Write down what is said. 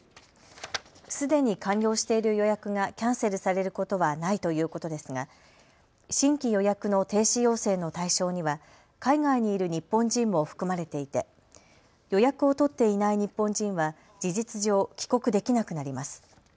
すでに完了している予約がキャンセルされることはないということですが新規予約の停止要請の対象には海外にいる日本人も含まれていて予約を取っていない日本人は事実上、帰国できなくなります。